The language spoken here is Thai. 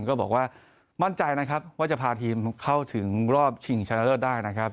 ก็บอกว่ามั่นใจนะครับว่าจะพาทีมเข้าถึงรอบชิงชนะเลิศได้นะครับ